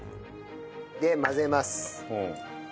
で混ぜます。